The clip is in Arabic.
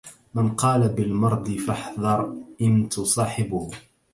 من قال بالمرد فاحذر إن تصاحبه